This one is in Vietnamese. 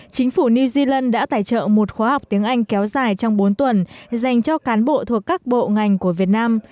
chính phủ new zealand đã tài trợ một khóa học tiếng anh kéo dài trong bốn tuần dành cho cán bộ thuộc các bộ ngành của việt nam